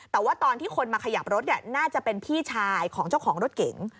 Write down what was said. แต่ว่าตอนที่คนมาขยับรถน่าจะเป็นพี่ชายของเจ้าของรถเก๋ง